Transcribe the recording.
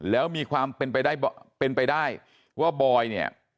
แล้วมีความเป็นไปได้ว่าบอยเนี่ย